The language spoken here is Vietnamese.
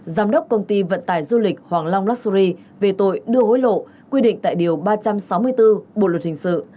giám đốc công ty vận tải du lịch hoàng long luxury về tội đưa hối lộ quy định tại điều ba trăm sáu mươi bốn bộ luật hình sự